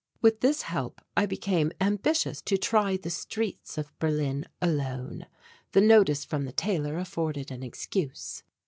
With this help I became ambitious to try the streets of Berlin alone. The notice from the tailor afforded an excuse.